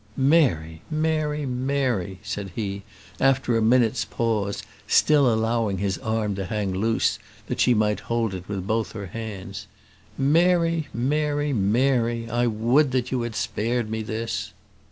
"Mary, Mary, Mary!" said he after a minute's pause, still allowing his arm to hang loose, that she might hold it with both her hands. "Mary, Mary, Mary! I would that you had spared me this!"